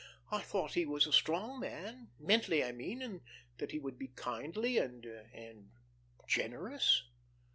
"I thought he was a strong man mentally I mean, and that he would be kindly and and generous.